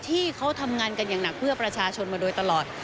ที่เขาทำงานกันอย่างหนักเพื่อประชาชนมาโดยตลอด